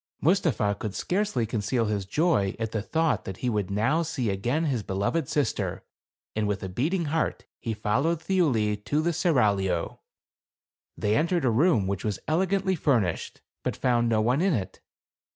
Mustapha could scarcely conceal his joy at 178 THE CARAVAN. the thought that he. would now see again his beloved sister; and with a beating heart he followed Thiuli to the seraglio. They, entered a room which was elegantly furnished, but found no one in it.